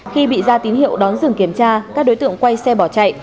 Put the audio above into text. khi bị ra tín hiệu đón dừng kiểm tra các đối tượng quay xe bỏ chạy